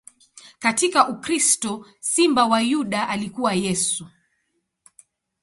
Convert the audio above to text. Katika ukristo, Simba wa Yuda alikuwa Yesu.